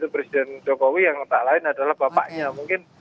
presiden jokowi yang letak lain adalah bapaknya mungkin